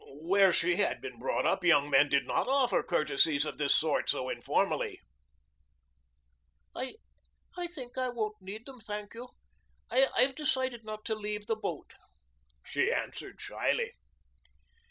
Where she had been brought up young men did not offer courtesies of this sort so informally. "I I think I won't need them, thank you. I've decided not to leave the boat," she answered shyly.